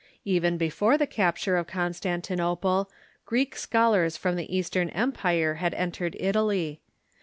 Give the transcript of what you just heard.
Even before the capture of Constantinople, Greek schol ars from the Eastern Empire had entered Italy.